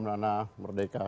selamat malam nana merdeka